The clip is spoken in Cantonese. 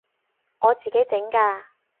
我自己整㗎